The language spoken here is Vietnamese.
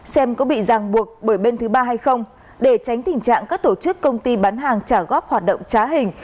xem có bị ràng buộc bởi bên thứ ba hay không để tránh tình trạng các tổ chức công ty bán hàng trả góp hoạt động trá hình